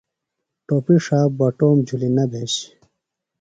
ٹوۡپیۡ ݜہ، بٹوم جُھلیۡ نہ بھیش۔